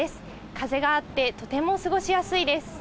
風があって、とても過ごしやすいです。